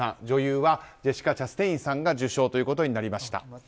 女優はジェシカ・チャステインさんが受賞ということになりました。